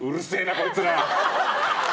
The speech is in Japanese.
こいつら！